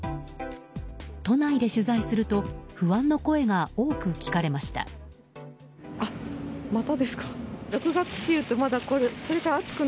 都内で取材すると不安な声が多く聞かれました。